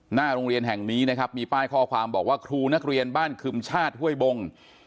หน้าโรงเรียนแห่งนี้นะครับมีป้ายข้อความบอกว่าครูนักเรียนบ้านคึมชาติห้วยบง